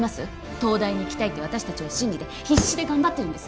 東大に行きたいって私達を信じて必死で頑張ってるんです